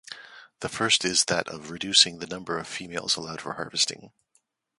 The first is that of reducing the number of females allowed for harvesting.